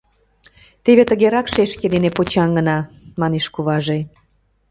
— Теве тыгерак шешке дене почаҥына, — манеш куваже.